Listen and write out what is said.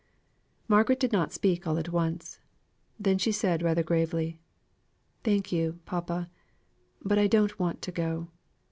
Margaret did not speak all at once. Then she said rather gravely: "Thank you, papa. But I don't want to go.